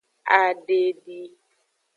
Adedi.